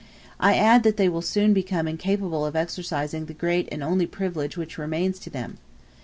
*b I add that they will soon become incapable of exercising the great and only privilege which remains to them.